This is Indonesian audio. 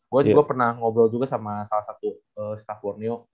gue juga pernah ngobrol juga sama salah satu staff borneo